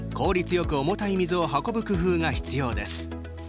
よく重たい水を運ぶ工夫が必要です。